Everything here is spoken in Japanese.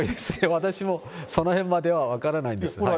私もそのへんまでは分からないんですけどね。